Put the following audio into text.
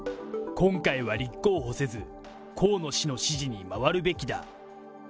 今回は立候補せず、河野氏の支持に回るべきだ。